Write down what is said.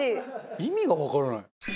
意味がわからない。